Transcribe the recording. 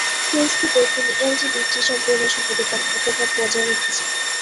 ফেসবুকে, তিনি এলজিবিটি সম্প্রদায় সম্পর্কে তাঁর মতামত বজায় রেখেছেন।